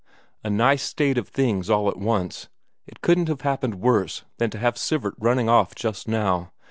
A nice state of things all at once it couldn't have happened worse than to have Sivert running off just now.